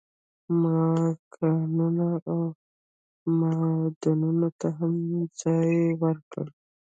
ما کانونو او معادنو ته هم ځای ورکړ.